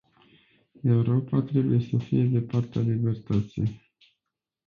Europa trebuie să fie de partea libertății.